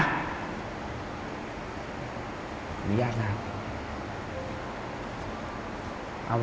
คุณผู้ชม